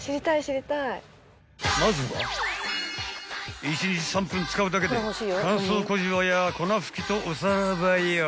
［まずは１日３分使うだけで乾燥小じわや粉吹きとおさらばよ］